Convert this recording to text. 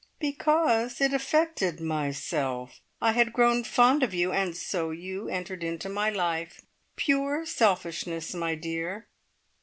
"Because it affected myself. I had grown fond of you, and so you entered into my life. Pure selfishness, my dear!"